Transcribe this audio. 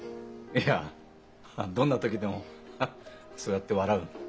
いやどんな時でもそうやって笑うの。